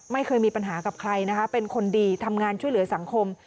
ไม่เคยมีปัญหากับใครนะคะเป็นคนดีทำงานช่วยเหลือสังคม